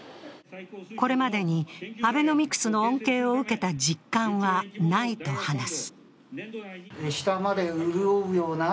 これまでにアベノミクスの恩恵を受けた実感はないと話す。